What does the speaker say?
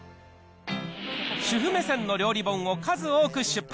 主婦目線の料理本を数多く出版。